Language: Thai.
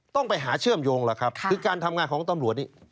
ต้องไปหาเชื่อมโยงล่ะครับคือการทำงานของตำรวจนี่